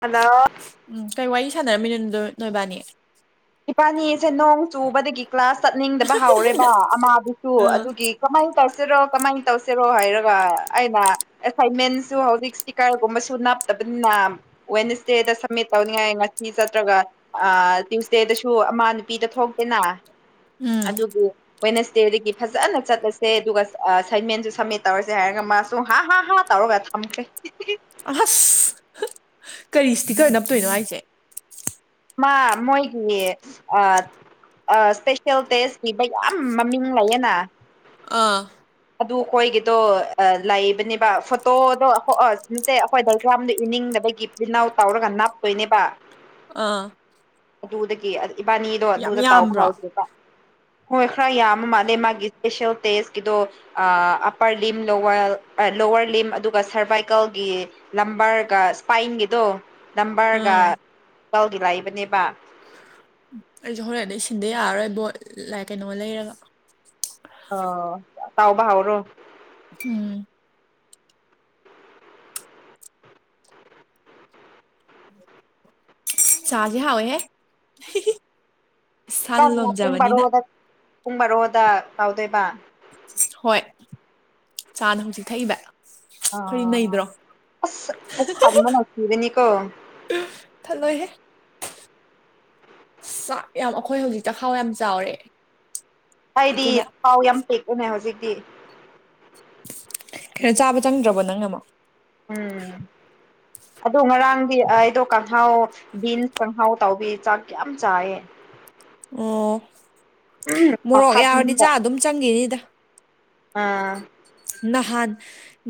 hello ꯎꯝ ꯀꯩ ꯋꯥꯔꯤ ꯁꯥꯟꯅꯔꯝꯃꯤꯅꯣ ꯗꯣꯏ ꯅꯣꯏꯕꯥꯅꯤ ꯏꯕꯥꯅꯤꯁꯦ ꯅꯣꯡ ꯆꯨꯕꯗꯒꯤ ꯀ꯭ꯂꯥꯁ ꯆꯠꯅꯤꯡꯗꯕ ꯍꯧꯎꯔꯦꯕ ꯑꯃꯗꯨꯁꯨ ꯑꯥ ꯑꯗꯨꯒꯤ ꯀꯃꯥꯏꯅ ꯇꯧꯁꯤꯔꯣ ꯀꯃꯥꯏꯅ ꯇꯧꯁꯤꯔꯣ ꯍꯥꯏꯔꯒ ꯑꯩꯅ ꯑꯦꯁꯥꯏ꯭ꯟꯃꯦꯟꯁꯨ ꯍꯧꯖꯤꯛ ꯁ꯭ꯇꯤꯀꯔꯒꯨꯝꯕꯁꯨ ꯅꯞꯇꯕꯅꯤꯅ ꯋꯦꯗꯅꯁꯗꯦꯗ ꯁꯕꯃꯤꯠ ꯇꯧꯅꯤꯡꯉꯥꯏ ꯉꯁꯤ ꯆꯠꯇ꯭ꯔꯒ ꯑꯥ ꯇꯤ꯭ꯌꯨꯁ ꯇꯦꯗꯁꯨ ꯑꯃꯥ ꯅꯨꯄꯤꯗ ꯊꯣꯛꯇꯦꯅ ꯎꯝ ꯑꯗꯨꯕꯨ ꯋꯦꯗꯅꯁꯗꯦ ꯍꯨꯖꯤꯛꯀꯤ ꯐꯖꯅ ꯆꯠꯂꯁꯦ ꯑꯗꯨꯒ ꯑꯥ ꯑꯦꯁꯥꯢ꯭ꯟꯃꯦꯟꯁꯨ ꯁꯕꯃꯤꯠ ꯇꯧꯔꯁꯦ ꯍꯥꯏꯔꯒ ꯃꯥꯁꯨ ꯍꯥ ꯍꯥ ꯍꯥ ꯇꯧꯔꯒ ꯊꯝꯈ꯭ꯔꯦ ꯑꯍꯁ ꯀꯔꯤ ꯏꯁꯇꯤꯀꯔ ꯅꯞꯇꯣꯏꯅꯣ ꯍꯥꯏꯁꯦ ꯃꯥ ꯃꯣꯏꯒꯤ ꯑ ꯑ ꯁ꯭ꯄꯦꯁꯦꯜ ꯇꯦꯁ ꯄꯤꯕ ꯌꯥꯝ ꯃꯃꯤꯡ ꯂꯩꯌꯦꯅ ꯑꯥ ꯑꯗꯨ ꯈꯣꯏꯒꯤꯗꯣ ꯑꯥ ꯂꯩꯕꯅꯦꯕ ꯐꯣꯇꯣꯗꯣ ꯍꯣ ꯑ ꯇꯦ ꯑꯩꯈꯣꯏ ꯗꯥꯏꯒ꯭ꯔꯥꯝꯗꯣ ꯏꯅꯤꯡꯗꯕꯒꯤ ꯄ꯭ꯔꯤꯟ ꯑꯥꯎꯠ ꯇꯧꯔꯒ ꯅꯞꯇꯣꯏꯅꯦꯕ ꯑꯥ ꯑꯗꯨꯗꯒꯤ ꯏꯕꯥꯅꯤꯗꯣ ꯌꯥꯝ ꯑꯗꯨꯗ ꯇꯧꯕ ꯌꯥꯝꯕ꯭ꯔꯣ ꯍꯧꯈ꯭ꯔꯤꯕ ꯍꯣꯏ ꯈꯔ ꯌꯥꯝꯕ ꯃꯥꯜꯂꯦ ꯃꯥꯒꯤ ꯁ꯭ꯄꯦꯁꯦꯜ ꯇꯦꯁꯠꯀꯤꯗꯣ ꯑ ꯑꯞꯄꯔ ꯂꯤꯝ ꯂ ꯂꯣꯋꯔ ꯂꯤꯝ ꯑꯗꯨꯒ ꯁꯔꯚꯥꯏꯀꯜꯒꯤ ꯂꯝꯕꯔꯒ ꯁ꯭ꯄꯥꯏꯟꯒꯤꯗꯣ ꯂꯝꯕꯔꯒ ꯎꯝ ꯇꯧꯒꯤ ꯂꯩꯕꯅꯦꯕ ꯑꯩꯁꯨ ꯍꯣꯔꯦꯟꯗꯩ ꯁꯤꯟꯗ ꯌꯥꯔꯔꯣꯏ ꯕꯣꯠ ꯂꯥꯏ ꯀꯩꯅꯣ ꯂꯩꯔꯒ ꯑꯥꯎ ꯇꯧꯕ ꯍꯧꯔꯣ ꯎꯝ ꯆꯥꯖꯤ ꯍꯥꯎꯋꯦ ꯍꯦ ꯆꯥꯛꯅ ꯄꯨꯡ ꯕꯥꯔꯣꯗ ꯄꯨꯡ ꯕꯥꯔꯣꯗ ꯇꯧꯗꯣꯏꯕ ꯍꯣꯏ ꯆꯥꯅ ꯍꯧꯖꯤꯛ ꯊꯛꯏꯕ ꯑ ꯑꯩꯈꯣꯏꯗꯤ ꯅꯩꯗ꯭ꯔꯣ ꯑꯁ ꯄꯨꯛ ꯊꯟꯕꯅ ꯁꯤꯕꯅꯤꯀꯣ ꯊꯜꯂꯣꯏꯍꯦ ꯆꯥꯛ ꯌꯥꯝ ꯑꯈꯣꯏ ꯍꯧꯖꯤꯛ ꯆꯈꯥꯎ ꯌꯥꯝ ꯆꯥꯎꯔꯦ ꯑꯩꯗꯤ ꯑꯗꯨꯅ ꯊꯥꯎ ꯌꯥꯝ ꯄꯤꯛꯄꯅꯦ ꯍꯧꯖꯤꯛꯇꯤ ꯈꯔꯆꯥꯕ ꯆꯪꯗ꯭ꯔꯕꯣ ꯅꯪꯅ ꯑꯃꯨꯛ ꯎꯝ ꯑꯗꯣ ꯉꯔꯥꯡꯗꯤ ꯑꯩꯗꯣ ꯀꯥꯡꯍꯧ ꯕꯤꯟ ꯀꯥꯡꯍꯧ ꯇꯧꯕꯤ ꯆꯥꯛ ꯌꯥꯝ ꯆꯥꯏꯌꯦ ꯑꯣ ꯃꯣꯔꯣꯛ ꯌꯥꯎꯔꯗꯤ ꯈꯥꯗꯤꯡꯒ ꯆꯥꯛ ꯑꯗꯨꯝ ꯆꯪꯒꯤꯅꯤꯗ ꯑꯥ ꯅꯍꯥꯟ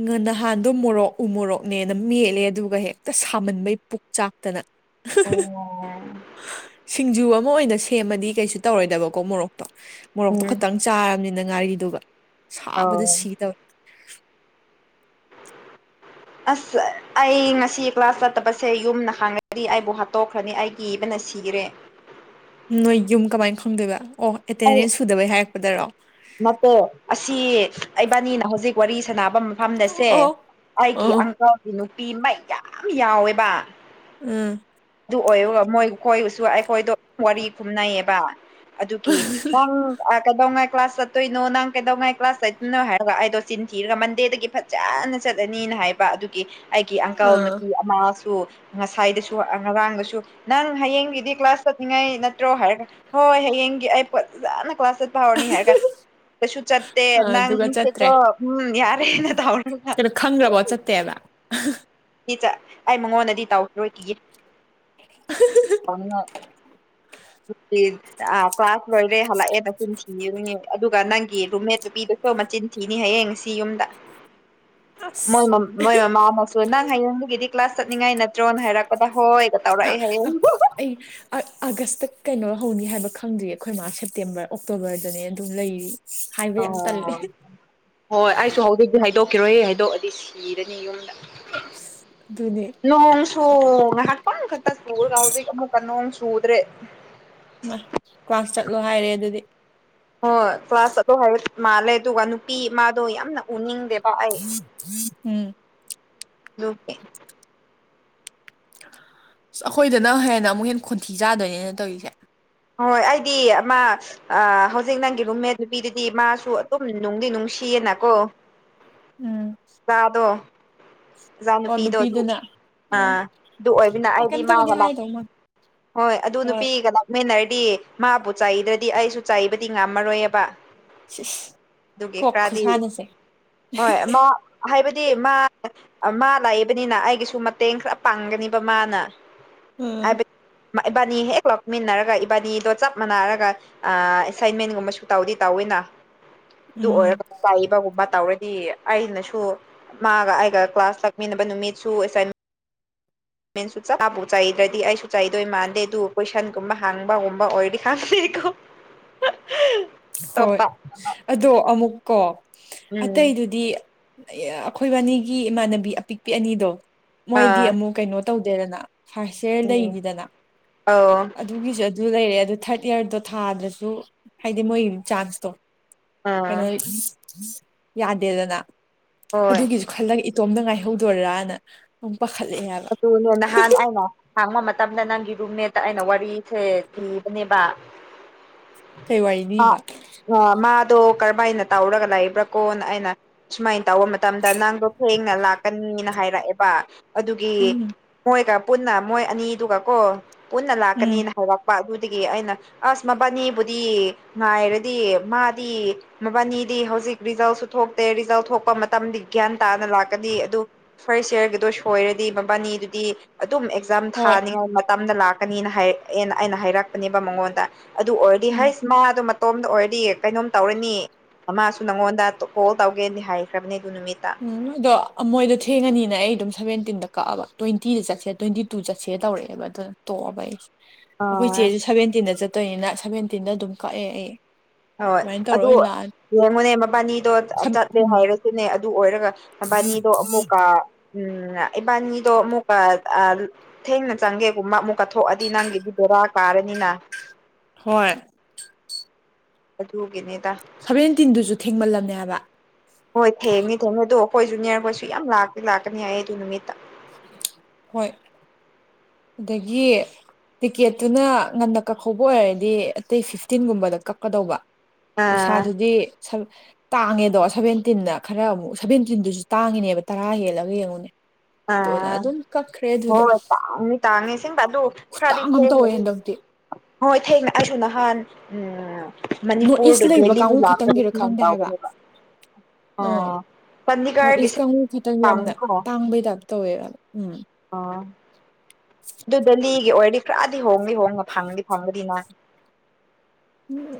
ꯉ ꯅꯍꯥꯟꯗꯣ ꯃꯣꯔꯣꯛ ꯎ ꯃꯣꯔꯣꯛꯅꯦꯅ ꯃꯦꯠꯂꯦ ꯑꯗꯨꯒ ꯍꯦꯛꯇ ꯁꯥꯃꯟꯕꯩ ꯄꯨꯛ ꯆꯥꯛꯇꯅ ꯎꯝ ꯍ ꯁꯤꯡꯖꯨ ꯑꯃ ꯑꯣꯏꯅ ꯁꯦꯝꯃꯗꯤ ꯀꯩꯁꯨ ꯇꯧꯔꯣꯏꯗꯕꯀꯣ ꯃꯣꯔꯣꯛꯇꯣ ꯃꯣꯔꯣꯛꯇꯣ ꯈꯇꯪ ꯆꯥꯔꯕꯅꯤꯅ ꯉꯥꯔꯤꯗꯨꯒ ꯑꯣ ꯁꯥꯕꯗ ꯁꯤ ꯇꯧꯏ ꯑꯁ ꯑꯩ ꯉꯁꯤ ꯀ꯭ꯂꯥꯁ ꯆꯠꯇꯕꯁꯦ ꯌꯨꯝꯅ ꯍꯥꯡꯅꯗꯤ ꯑꯩꯕꯨ ꯍꯥꯠꯇꯣꯛꯈ꯭ꯔꯅꯤ ꯑꯩ ꯀꯤꯕꯅ ꯁꯤꯔꯦ ꯅꯣꯏ ꯌꯨꯝ ꯀꯃꯥꯏꯅ ꯈꯪꯗꯣꯏꯕ ꯑꯣ ꯑꯩ ꯑꯦꯇꯦꯟꯗꯦꯟꯁ ꯁꯨꯗꯕꯩ ꯍꯥꯏꯔꯛꯄꯗꯔꯣ ꯅꯠꯇꯦ ꯑꯁꯤ ꯑꯩꯕꯥꯅꯤꯅ ꯍꯧꯖꯤꯛ ꯋꯥꯔꯤ ꯁꯥꯟꯅꯕ ꯃ ꯐꯝꯗꯁꯦ ꯑꯣ ꯑꯩꯒꯤ ꯑꯣ ꯑꯪꯀꯜꯒꯤ ꯅꯨꯄꯤ ꯃꯌꯥꯝ ꯌꯥꯎꯋꯦꯕ ꯎꯝ ꯑꯗꯨ ꯑꯣꯏꯔꯒ ꯃꯣꯏ ꯈꯣꯏꯁꯨ ꯑꯩꯈꯣꯏꯗꯣ ꯋꯥꯔꯤ ꯈꯨꯝꯅꯩꯌꯦꯕ ꯑꯗꯨꯒꯤ ꯅꯪ ꯑ ꯀꯩꯗꯧꯉꯥꯏ ꯀ꯭ꯂꯥꯁ ꯆꯠꯇꯣꯏꯅꯣ ꯅꯪ ꯀꯩꯗꯧꯉꯩ ꯀ꯭ꯂꯥꯁ ꯆꯠꯇꯣꯏꯅꯣ ꯍꯥꯏꯔꯒ ꯑꯩꯗꯣ ꯆꯤꯟ ꯊꯤꯔꯒ ꯃꯟꯗꯦꯗꯒꯤ ꯐꯖꯅ ꯆꯠꯂꯅꯤꯅ ꯍꯥꯏꯕ ꯑꯗꯨ ꯑꯩꯒꯤ ꯑꯪꯀꯜ ꯑꯥ ꯅꯁꯨ ꯑꯃꯁꯨ ꯉꯁꯥꯏꯗꯁꯨ ꯑ ꯉꯔꯥꯡꯗꯁꯨ ꯅꯪ ꯍꯌꯦꯡꯒꯤꯗꯤ ꯀ꯭ꯂꯥꯁ ꯆꯠꯂꯤꯉꯩ ꯅꯠꯇ꯭ꯔꯣ ꯍꯥꯏꯔꯒ ꯍꯣꯏ ꯍꯌꯦꯡꯒꯤ ꯑꯩ [unintelligible] ꯀ꯭ꯂꯥꯁ ꯆꯠ ꯄꯍꯧꯔꯅꯤ ꯍꯥꯏꯔꯒꯥ ꯀꯩꯁꯨ ꯆꯠꯇꯦ ꯑꯗꯨꯒ ꯆꯠꯇ꯭ꯔꯦ ꯅꯪꯁꯦꯀꯣ ꯎꯝ ꯌꯥꯔꯦꯅ ꯇꯧꯔ ꯈꯪꯒ꯭ꯔꯕꯣ ꯆꯠꯇꯦꯕ ꯆꯠ ꯑꯩ ꯃꯉꯣꯟꯗꯗꯤ ꯇꯧꯈꯤꯔꯣꯏ ꯀꯤꯌꯦ ꯇꯧꯅꯤꯡꯉꯛ ꯑ ꯀ꯭ꯂꯥꯁ ꯂꯣꯏꯔꯦ ꯍꯜꯂꯛꯑꯦ ꯅꯆꯤꯟꯊꯤꯌꯦꯅꯦ ꯑꯗꯨꯒ ꯅꯪꯒꯤ ꯔꯨꯝꯃꯦꯠ ꯅꯨꯄꯤꯗꯨ ꯃꯆꯤꯟ ꯊꯤꯅꯤ ꯍꯌꯦꯡ ꯁꯤ ꯌꯨꯝꯗ ꯃꯣꯏ ꯑꯁ ꯃꯝ ꯃꯣꯏ ꯃꯃꯥꯅꯁꯨ ꯅꯪ ꯍꯌꯦꯡꯗꯒꯤꯗꯤ ꯀ꯭ꯂꯥꯁ ꯆꯠꯅꯤꯡꯉꯥꯏ ꯅꯠꯇ꯭ꯔꯣꯅ ꯍꯥꯏꯔꯛꯄꯗ ꯍꯣꯏ ꯑ ꯑ ꯑꯩ ꯑꯥ ꯑꯥꯒꯁꯇ ꯀꯩꯅꯣ ꯍꯧꯅꯤ ꯍꯥꯏꯕ ꯈꯪꯗ꯭ꯔꯤ ꯑꯈꯣꯏ ꯃꯥꯁ ꯁꯦꯞꯇꯦꯝꯕꯔ ꯑꯣꯛꯇꯣꯕꯔꯗꯅꯦ ꯑꯗꯨꯝ ꯂꯩꯔꯤ ꯍꯥꯏꯕ ꯌꯥꯝ ꯇꯜꯂꯦ ꯑꯣ ꯍꯣꯏ ꯑꯩꯁꯨ ꯍꯧꯖꯤꯛꯇꯤ ꯍꯥꯏꯗꯣꯛꯈꯤꯔꯣꯏ ꯍꯥꯏꯗꯣꯛꯑꯗꯤ ꯁꯤꯔꯅꯤ ꯌꯨꯝꯗ ꯑꯁ ꯑꯗꯨꯅꯦ ꯅꯣꯡꯁꯨ ꯉꯥꯍꯥꯛꯇꯪꯈꯛꯇ ꯁꯨꯔꯒ ꯍꯧꯖꯤꯛ ꯑꯃꯨꯛꯀ ꯅꯣꯡ ꯆꯨꯗ꯭ꯔꯦ ꯃꯥ ꯀ꯭ꯂꯥꯁ ꯆꯠꯂꯣ ꯍꯥꯏꯔꯦ ꯑꯗꯨꯗꯤ ꯍꯣꯏ ꯀ꯭ꯂꯥꯁ ꯆꯠꯂꯣ ꯍꯥꯏꯕ ꯃꯥꯜꯂꯦ ꯑꯗꯨꯒ ꯅꯨꯄꯤ ꯃꯥꯗꯣ ꯌꯥꯝꯅ ꯎꯅꯤꯡꯗꯦ ꯎꯝ ꯗꯨꯒꯤ ꯑꯁ ꯑꯈꯣꯏꯗꯅ ꯍꯦꯟꯅ ꯑꯃꯨꯛ ꯍꯦꯟ ꯈꯣꯟꯊꯤ ꯆꯥꯗꯣꯏꯅꯦꯅ ꯇꯧꯔꯤꯁꯦ ꯍꯣꯏ ꯑꯩꯗꯤ ꯑꯃ ꯑ ꯍꯧꯖꯤꯛ ꯅꯪꯒꯤ ꯔꯨꯝꯃꯦꯠ ꯅꯨꯄꯤꯗꯨꯗꯤ ꯃꯥꯁꯨ ꯑꯗꯨꯝ ꯅꯨꯡꯗꯤ ꯅꯨꯡꯁꯤꯌꯦꯅꯀꯣ ꯎꯝ ꯆꯥꯗꯣ ꯖꯥ ꯑꯣ ꯅꯨꯄꯤꯗꯣ ꯑꯗꯨ ꯅꯨꯄꯤꯗꯨꯅ ꯑꯣ ꯑꯥ ꯑꯗꯨ ꯑꯣꯏꯕꯅ ꯑꯩ ꯑꯩꯗꯤ ꯀꯩꯝꯇꯕꯨꯗꯤ ꯃꯥꯒ ꯃꯥꯛ ꯍꯥꯏꯗꯧ ꯃꯥꯟ ꯍꯣꯏ ꯑꯗꯨ ꯅꯨꯄꯤ ꯀꯅꯥ ꯃꯦꯟꯅꯔꯗꯤ ꯃꯥꯕꯨ ꯆꯥꯏꯗ꯭ꯔꯗꯤ ꯑꯩꯁꯨ ꯆꯥꯏꯕꯗꯤ ꯉꯝꯃꯔꯣꯏꯑꯕ ꯁꯤꯁ ꯑꯗꯨꯒꯤ ꯀꯣꯛ ꯈꯔꯗꯤ ꯈꯨꯁꯥꯟꯅꯁꯦ ꯍꯣꯏ ꯃꯥ ꯍꯥꯏꯕꯗꯤ ꯃꯥ ꯑꯥ ꯃꯥ ꯂꯥꯛꯏꯕꯅꯤꯅ ꯑꯩꯒꯤꯁꯨ ꯃꯇꯦꯡ ꯈꯔ ꯄꯥꯡꯒꯅꯤꯕ ꯃꯥꯅ ꯎꯝ ꯍꯥꯏꯕꯗ ꯃꯥ ꯏꯕꯥꯅꯤ ꯍꯦꯛ ꯂꯧꯛꯃꯤꯟꯅꯔꯒ ꯏꯕꯥꯅꯤꯗꯣ ꯆꯞ ꯃꯥꯟꯅꯔꯒ ꯑꯥ ꯑꯦꯁꯥꯏꯟꯃꯦꯟꯒꯨꯝꯕꯁꯨ ꯇꯧꯗꯤ ꯇꯧꯋꯤꯅ ꯑꯗꯨ ꯎꯝ ꯑꯣꯏꯔꯒ ꯄꯥꯏꯕꯒꯨꯝꯕ ꯇꯧꯔꯗꯤ ꯑꯩꯅꯁꯨ ꯃꯥꯒ ꯑꯩꯒ ꯀ꯭ꯂꯥꯁ ꯂꯥꯥꯛꯃꯤꯟꯅꯕ ꯅꯨꯃꯤꯠꯁꯨ ꯑꯁꯥꯏꯟ ꯃꯦꯟꯁꯨ ꯆꯞ ꯃꯥꯕꯨ ꯆꯩꯗ꯭ꯔꯗꯤ ꯑꯩꯁꯨ ꯆꯥꯏꯗꯣꯏ ꯃꯥꯟꯗꯦ ꯑꯗꯨ ꯀꯣꯏꯁꯟꯒꯨꯝꯕ ꯍꯥꯡꯕꯒꯨꯝꯕ ꯑꯣꯏꯔꯗꯤ ꯍꯥꯡꯗꯦꯀꯣ [inaudible] ꯍꯣꯏ ꯑꯗꯣ ꯑꯃꯨꯛꯀꯣ ꯎꯝ ꯑꯇꯩꯗꯨꯗꯤ ꯑꯩꯈꯣꯏꯕꯥꯅꯤꯒꯤ ꯏꯃꯥꯟꯅꯕꯤ ꯑꯄꯤꯛꯄꯤ ꯑꯅꯤꯗꯣ ꯃꯣꯏꯗꯤ ꯑꯥ ꯑꯃꯨꯛ ꯀꯩꯅꯣ ꯇꯧꯗꯣꯏꯅ ꯐꯔꯔ ꯎꯝ ꯂꯩꯔꯤꯗꯅ ꯑꯠ ꯑꯧ ꯑꯗꯨꯒꯤꯁꯨ ꯑꯗꯨ ꯂꯩꯔꯦ ꯑꯗꯨ ꯊꯥꯔꯠ ꯏꯌꯥꯔꯗꯣ ꯊꯥꯗꯁꯨ ꯗꯤ ꯃꯣꯏ ꯆꯥꯟꯁꯇꯣ ꯑꯥ ꯀꯩꯅꯣ ꯌꯥꯗꯦꯗꯅ ꯍꯣꯏ ꯑꯗꯨꯒꯤꯁꯨ ꯈꯜꯂꯒ ꯏꯇꯣꯝꯇ ꯉꯥꯏꯍꯧꯗꯣꯏꯔꯅ ꯑꯗꯨꯝ ꯄꯥꯈꯠꯂꯛꯑꯦꯕ [unintelligible] ꯅꯍꯥꯟ ꯑꯩꯅꯥ ꯍꯥꯡꯕ ꯃꯇꯝꯗ ꯅꯪꯒꯤ ꯔꯨꯝꯃꯦꯠꯇ ꯑꯩꯅ ꯋꯥꯔꯤꯁꯦ ꯂꯤꯕꯅꯦꯕ ꯀꯩ ꯋꯥꯔꯤ ꯑꯥ ꯂꯤꯔꯤꯕꯥ ꯑ ꯃꯥꯗꯣ ꯀꯔꯝꯕꯥꯥꯏꯅ ꯇꯧꯔꯒ ꯂꯩꯏꯕ꯭ꯔꯥ ꯀꯣꯟꯅ ꯑꯩꯅ ꯁꯨꯃꯥꯏꯅ ꯇꯧꯕ ꯃꯇꯝꯗ ꯅꯪꯗꯣ ꯊꯦꯡꯅ ꯂꯥꯛꯀꯅꯤꯅ ꯍꯥꯏꯔꯛꯑꯦꯕ ꯑꯗꯨꯒꯤ ꯎꯝ ꯃꯣꯏꯒ ꯄꯨꯟꯅ ꯃꯣꯏ ꯑꯅꯤꯗꯨꯒ ꯀꯣ ꯄꯨꯟꯅ ꯎꯝ ꯂꯥꯛꯀꯅꯤꯅ ꯍꯥꯏꯔꯛꯄ ꯑꯗꯨꯗꯒꯤ ꯑꯩꯅ ꯑꯁ ꯃꯕꯥꯅꯤꯕꯨꯗꯤ ꯉꯥꯏꯔꯗꯤ ꯃꯥꯗꯤ ꯃꯕꯥꯅꯤꯗꯤ ꯍꯧꯖꯤꯛ ꯔꯤꯖꯜꯁꯨ ꯊꯣꯛꯇꯦ ꯔꯤꯖꯜ ꯊꯣꯛꯄ ꯃꯇꯝꯗꯤ ꯒ꯭ꯌꯥꯟ ꯇꯥꯅ ꯂꯥꯛꯀꯅꯤ ꯑꯗꯨ ꯐꯥꯔꯁ ꯌꯔꯒꯤꯗꯣ ꯁꯣꯏꯔꯗꯤ ꯃꯕꯥꯅꯤꯗꯨꯗꯤ ꯑꯗꯨꯝ ꯑꯦꯛꯖꯥꯝ ꯍꯣꯏ ꯊꯥꯅꯤꯉꯥꯏ ꯃꯇꯝꯗ ꯂꯥꯛ ꯀꯅꯤꯅ ꯍꯥꯏ ꯑꯦꯅꯥ ꯑꯩꯅ ꯍꯥꯏꯔꯛꯄꯅꯦꯕ ꯃꯉꯣꯟꯗ ꯑꯗꯨ ꯑꯣꯏꯔꯗꯤ ꯎꯝ ꯍꯥꯏꯁ ꯃꯥꯗꯣ ꯃꯇꯣꯝꯗ ꯑꯣꯏꯔꯗꯤ ꯀꯩꯅꯣꯝ ꯇꯧꯔꯅꯤ ꯃꯥꯁꯨ ꯅꯪꯉꯣꯟꯗ ꯀꯣꯜ ꯇꯧꯒꯦꯗꯤ ꯍꯥꯏꯈ꯭ꯔꯕꯅꯦ ꯑꯗꯨ ꯅꯨꯃꯤꯠꯇ ꯎꯝ ꯑꯗꯣ ꯃꯣꯏꯗ ꯊꯦꯡꯉꯅꯤꯅ ꯑꯩ ꯑꯗꯨꯝ ꯁꯚꯦꯟꯇꯤꯟꯗ ꯀꯛꯑꯕ ꯇ꯭ꯋꯦꯟꯇꯤꯗ ꯆꯠꯁꯦ ꯇ꯭ꯋꯦꯟꯇꯤ ꯇꯨ ꯆꯠꯁꯦ ꯇꯧꯔꯛꯑꯦꯕ ꯑꯗꯨꯅ ꯇꯣꯛꯑꯕ ꯑꯩꯁ ꯑꯩꯈꯣꯏ ꯑ ꯆꯦꯁꯤ ꯁꯚꯦꯟꯇꯤꯟꯗ ꯆꯠꯇꯣꯏꯅꯤꯅ ꯁꯚꯦꯟꯇꯤꯟꯗ ꯑꯗꯨꯝ ꯀꯛꯑꯦ ꯑꯩ ꯍꯣꯏ ꯑꯗꯨꯃꯥꯏꯅ ꯇꯧꯔ ꯑꯗꯨ ꯑꯣꯏꯅ ꯂꯥꯛꯑꯅꯤ ꯌꯦꯡꯉꯨꯅꯦ ꯃꯕꯥꯅꯤꯗꯣ ꯁꯝ ꯆꯠꯂꯦ ꯎꯝ ꯍꯥꯏꯔꯁꯨꯅꯦ ꯑꯗꯨ ꯑꯣꯏꯔꯒ ꯑꯕꯥꯅꯤꯗꯣ ꯑꯃꯨꯀ ꯎꯝ ꯏꯕꯥꯅꯤꯗꯣ ꯑꯃꯨꯛꯀ ꯑ ꯊꯦꯡꯅ ꯆꯪꯒꯦꯒꯨꯝꯕ ꯑꯃꯨꯛ ꯀꯠꯊꯣꯛꯑꯗꯤ ꯅꯪꯒꯤꯗꯤ ꯕꯦꯔꯥ ꯀꯥꯔꯅꯤꯅ ꯍꯣꯏ ꯑꯗꯨꯒꯤꯅꯤꯗ ꯁꯚꯦꯟꯇꯤꯟꯗꯨꯁꯨ ꯊꯦꯡꯃꯜꯂꯝꯅꯦ ꯍꯥꯏꯕ ꯍꯣꯏ ꯊꯦꯡꯅꯤ ꯊꯦꯡꯅꯤ ꯑꯗꯣ ꯑꯩꯈꯣꯏ ꯨꯅꯤꯌꯔꯈꯣꯏꯁꯨ ꯌꯥꯝ ꯂꯥꯛꯀꯦ ꯂꯥꯛꯀꯅꯤ ꯍꯥꯏꯌꯦ ꯑꯗꯨ ꯅꯨꯃꯤꯠꯇ ꯍꯣꯏ ꯑꯗꯒꯤ ꯇꯤꯀꯦꯠꯇꯨꯅ ꯉꯟꯅ ꯀꯛꯍꯧꯕ ꯑꯣꯏꯔꯗꯤ ꯑꯇꯩ ꯐꯤꯐꯇꯤꯟꯒꯨꯝꯕꯗ ꯀꯛ ꯀꯗꯧꯕ ꯑꯥ ꯄꯩꯁꯥꯗꯨꯗꯤ ꯇꯥꯡꯉꯦꯗꯣ ꯁꯚꯦꯟꯇꯤꯟꯗ ꯈꯔ ꯑꯃꯨꯛ ꯁꯚꯦꯟꯇꯤꯟꯗꯨꯁꯨ ꯇꯥꯡꯉꯤꯅꯦꯕ ꯇꯔꯥ ꯍꯦꯜꯂꯒ ꯌꯦꯡꯉꯨꯅꯦ ꯑꯗꯨꯅ ꯑꯗꯨꯝ ꯀꯛꯈ꯭ꯔꯦ ꯑꯗꯨꯗ ꯇꯥꯡꯗꯤ ꯇꯥꯡꯉꯦ ꯑꯁꯦꯡꯕ ꯑꯗꯨ ꯈꯔꯗꯤ ꯈꯨꯇꯥꯡ ꯑꯃ ꯍꯣꯉꯦ ꯇꯧꯋꯦ ꯑꯗꯨ ꯍꯟꯗꯛꯇꯤ ꯍꯣꯏ ꯊꯦꯡꯅ ꯑꯩꯁꯨ ꯅꯍꯥꯟ ꯎꯝ ꯅꯣꯔꯠ ꯏꯁ ꯃꯅꯤꯄꯨꯔꯗꯨ ꯂꯩꯕ ꯗꯦꯂꯤꯗꯨ ꯀꯥꯡꯕꯨ ꯂꯥꯛꯄꯗ ꯈꯛꯇꯪꯒꯤꯔ ꯁꯨꯃꯥꯏꯅ ꯈꯪꯗꯦ ꯍꯥꯏꯕ ꯇꯧꯕꯅꯦꯕ ꯑ ꯑꯥ ꯅꯣꯔꯠ ꯏꯁ ꯄꯅꯤꯀꯥꯔꯒꯤꯁꯨ ꯀꯥꯡꯕꯨ ꯈꯛꯇꯪ ꯇꯥꯡꯉꯤ ꯌꯥꯝꯅ ꯀꯣ ꯇꯥꯡꯕꯩ ꯇꯥꯏꯞ ꯇꯧꯋꯦꯕ ꯎꯝ ꯑ ꯑꯗꯨ ꯗꯦꯜꯂꯤꯒꯤ ꯑꯣꯏꯔꯗꯤ ꯈꯔꯗꯤ ꯍꯣꯡꯗꯤ ꯍꯣꯡꯉ ꯐꯪꯉꯗꯤ ꯐꯪꯒꯗꯤ ꯅ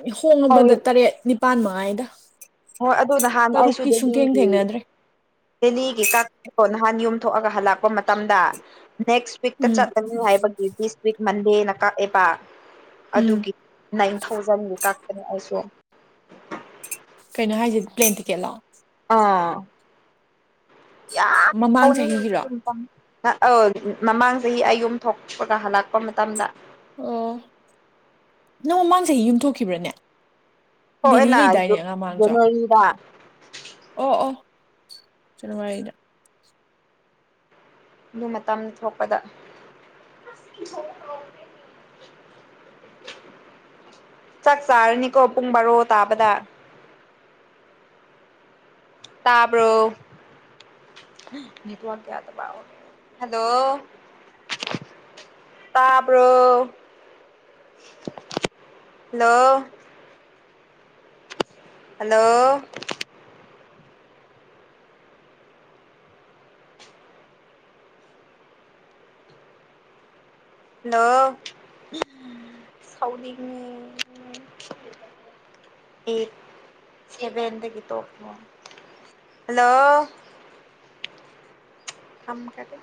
ꯎꯝ ꯍꯣꯡꯉꯕꯗ ꯇꯔꯦꯠ ꯅꯤꯄꯥꯜ ꯃꯉꯥꯏꯗ ꯍꯣꯏ ꯑꯗꯨ ꯅꯍꯥꯟ ꯑꯩꯁꯨ ꯇꯔꯨꯛꯇꯤ ꯗꯦꯜꯂꯤ ꯁꯨꯡꯊꯦꯡ ꯒꯤ ꯊꯦꯡꯅꯗ꯭ꯔꯦ ꯗꯦꯜꯂꯤꯒꯤ ꯀꯛ ꯑꯣ ꯅꯍꯥꯟ ꯌꯨꯝꯊꯣꯛꯑꯒ ꯍꯜꯂꯛꯄ ꯃꯇꯝꯗ ꯅꯦꯛꯁ ꯋꯤꯛꯇ ꯎꯝ ꯆꯠꯂꯅꯤ ꯍꯥꯏꯕꯒꯤ ꯗꯤꯁ ꯋꯤꯛ ꯃꯟꯗꯦꯅ ꯀꯛꯑꯦꯕ ꯎꯝ ꯑꯗꯨꯒꯤ ꯅꯥꯏꯟ ꯊꯥꯎꯖꯟꯃꯨꯛ ꯀꯛꯄꯅꯦ ꯑꯩꯁꯨ ꯀꯩꯅꯣ ꯍꯥꯏꯁꯦ ꯄ꯭ꯂꯦꯟ ꯇꯤꯀꯦꯠꯂꯣ ꯑ ꯌꯥꯝ ꯃꯃꯥꯡ ꯁꯥꯎꯅꯤꯡꯉꯦ ꯆꯍꯤꯒꯤꯔꯣ [inaudible] ꯑ ꯑꯧ ꯃꯃꯥꯡ ꯆꯍꯤ ꯑꯩ ꯌꯨꯝ ꯊꯣꯛꯄꯒ ꯍꯜꯂꯛꯄ ꯃꯇꯝꯗ ꯑꯝ ꯅꯪ ꯃꯃꯥꯡ ꯆꯍꯤ ꯌꯨꯝ ꯊꯣꯛꯈꯤꯕ꯭ꯔꯅꯦ ꯗꯦꯜꯂꯤ ꯊꯣꯛꯑꯦꯅ ꯂꯩꯗꯥꯏꯅꯦ ꯑ ꯃꯃꯥꯡꯁꯨ [inaudible] ꯑꯣ ꯑꯣ ꯖꯥꯅꯋꯥꯔꯤꯗ ꯑꯗꯨ ꯃꯇꯝ ꯊꯣꯛꯄꯗ ꯆꯥꯛ ꯆꯥꯔꯅꯤꯀꯣ ꯄꯨꯡ ꯕꯥꯔꯣ ꯇꯥꯕꯗ ꯇꯥꯕ꯭ꯔꯣ ꯅꯦꯠꯋꯥꯛ ꯌꯗꯕ ꯍꯥꯜꯂꯣ ꯇꯥꯕ꯭ꯔꯣ ꯍꯜꯂꯣ ꯍꯜꯂꯣ ꯍꯜꯂꯣ ꯁꯥꯎꯅꯤꯡꯉꯦ ꯑꯩꯠ ꯁꯦꯚꯦꯟꯗꯒꯤ ꯇꯣꯄ ꯍꯜꯂꯣ ꯊꯝꯈꯔꯦ